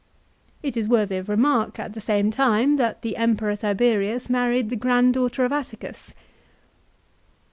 It is worthy of remark at the same time that the Emperor Tiberius married the granddaughter of Atticus.